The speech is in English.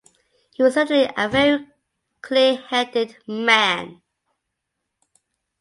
He was certainly a very clear-headed man.